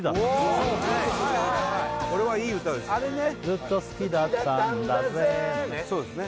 ずっと好きだったんだぜそうですね